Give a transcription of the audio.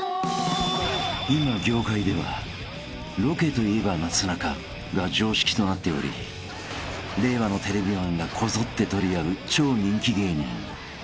［今業界ではロケといえばなすなかが常識となっており令和のテレビマンがこぞって取り合う超人気芸人］